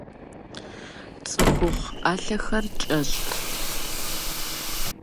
Цӏыхухъу ӏэлъэхэр кӏэщӏт.